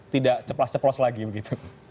tidak ceplas ceplos lagi begitu